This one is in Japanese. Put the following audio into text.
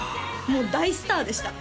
もう大スターでした